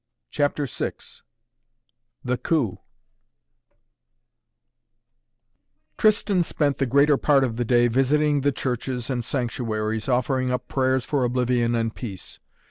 CHAPTER VI THE COUP Tristan spent the greater part of the day visiting the churches and sanctuaries, offering up prayers for oblivion and peace.